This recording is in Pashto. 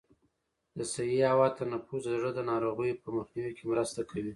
د صحي هوا تنفس د زړه د ناروغیو په مخنیوي کې مرسته کوي.